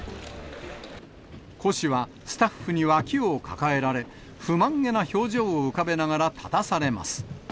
胡氏は、スタッフに脇を抱えられ、不満げな表情を浮かべながら立たされます。